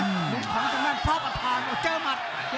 ลุกของจังงั้นฟ้าประทานเจอหมัด